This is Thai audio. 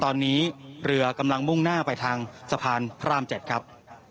ตอนนี้เรือกำลังมุ่งหน้าไปทางสะพานพระราม๗ครับ